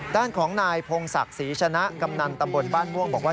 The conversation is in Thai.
ด้านของนายพงศักดิ์ศรีชนะกำนันตำบลบ้านม่วงบอกว่า